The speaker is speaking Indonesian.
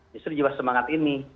justru juga semangat ini